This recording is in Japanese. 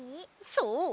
そう！